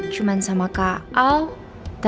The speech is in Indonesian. kok nggak ada